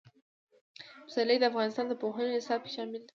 پسرلی د افغانستان د پوهنې نصاب کې شامل دي.